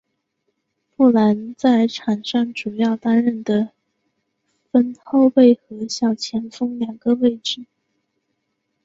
布朗在场上主要担任得分后卫和小前锋两个位置。